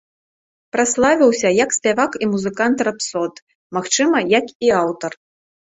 Праславіўся як спявак і музыкант-рапсод, магчыма, і як аўтар.